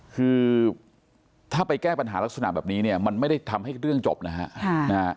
คือถ้าไปแก้ปัญหาลักษณะแบบนี้เนี่ยมันไม่ได้ทำให้เรื่องจบนะฮะ